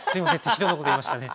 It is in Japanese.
適当なこと言いましたね。